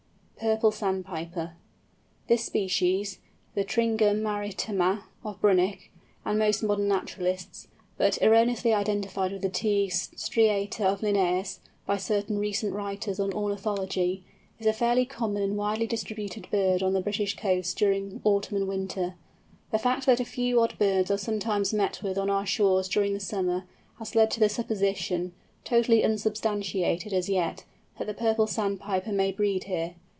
PURPLE SANDPIPER. This species, the Tringa maritima of Brunnich and most modern naturalists, but erroneously identified with the T. striata of Linnæus, by certain recent writers on ornithology, is a fairly common and widely distributed bird on the British coasts during autumn and winter. The fact that a few odd birds are sometimes met with on our shores during the summer, has led to the supposition—totally unsubstantiated as yet—that the Purple Sandpiper may breed here.